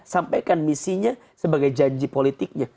sampaikan misinya sebagai janji politiknya